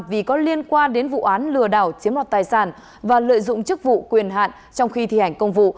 vì có liên quan đến vụ án lừa đảo chiếm đoạt tài sản và lợi dụng chức vụ quyền hạn trong khi thi hành công vụ